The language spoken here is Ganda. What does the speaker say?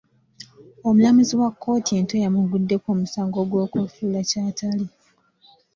Omulamuzi ya kkooti ento yamugguddeko omusango ogw'okwefuula ky'atali.